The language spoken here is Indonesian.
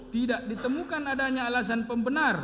tidak ditemukan adanya alasan pembenar